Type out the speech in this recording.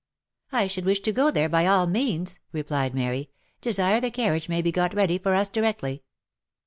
" I should wish to go there by all means," replied Mary, " desire the carriage may be got ready for us directly."